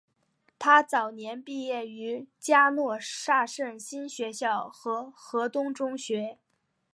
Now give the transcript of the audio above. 她早年毕业于嘉诺撒圣心学校和何东中学。